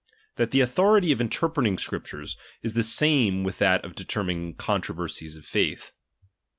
That the autho rity of interpreting Scriptures, is the same with that of deter mining controversies of faith.